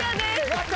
やった！